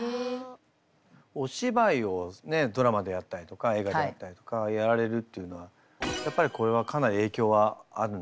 お芝居をねドラマでやったりとか映画でやったりとかやられるっていうのはやっぱりこれはかなり影響はあるんですか？